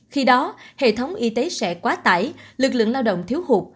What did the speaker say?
khi đó hệ thống y tế sẽ quá tải lực lượng lao động thiếu hụt